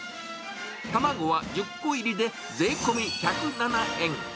卵は１０個入りで税込み１０７円。